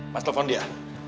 masa telfon dia